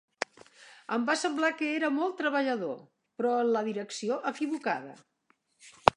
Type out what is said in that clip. Em va semblar que era molt treballador, però en la direcció equivocada.